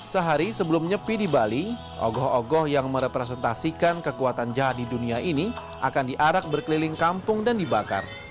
sehari sebelum nyepi di bali ogoh ogoh yang merepresentasikan kekuatan jahat di dunia ini akan diarak berkeliling kampung dan dibakar